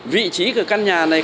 vị trí của căn nhà này